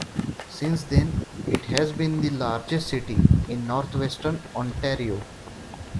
Since then it has been the largest city in Northwestern Ontario.